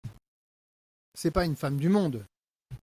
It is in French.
C’est pas une femme du monde !